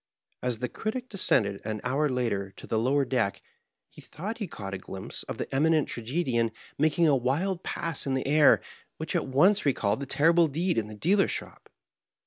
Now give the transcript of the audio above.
As the Critic descended, an hour later, to the lower deck, he thought he caught a glimpse of the Eminent Tragedian making a wild pass in the air, which at once recalled the terrible deed in the deal er's shop.